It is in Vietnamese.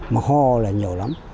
mà ho là nhiều lắm